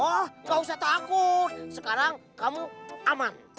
wah gak usah takut sekarang kamu aman